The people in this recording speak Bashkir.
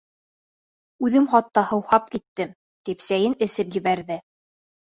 Үҙем хатта һыуһап киттем, -тип сәйен эсеп ебәрҙе.